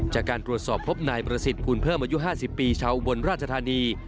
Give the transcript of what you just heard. จากการตรวจสอบพบนายประสิทธิ์ภูลเพิ่มอายุ๕๐ปีชาวอุบลราชธานี